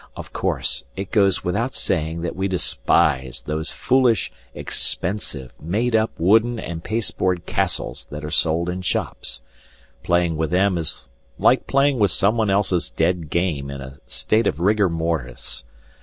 Of course, it goes without saying that we despise those foolish, expensive, made up wooden and pasteboard castles that are sold in shops playing with them is like playing with somebody else's dead game in a state of rigor mortis.